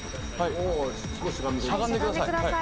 しゃがんでください。